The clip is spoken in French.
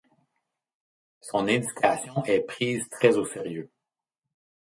Son éducation est prise très au sérieux.